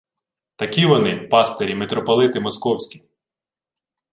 Такі вони, пастирі, митрополити московські